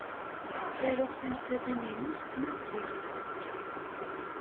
Ttaruɣ tinqiḍin-inu s tmaziɣt.